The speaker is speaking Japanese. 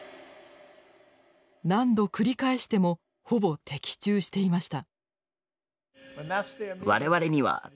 何度繰り返してもほぼ的中していました。